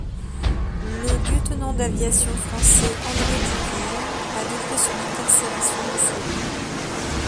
Le lieutenant d'aviation français André d'Humières a décrit son incarcération en ce lieu.